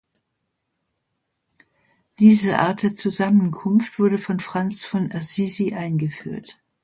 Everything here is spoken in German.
Diese Art der Zusammenkunft wurde von Franz von Assisi eingeführt.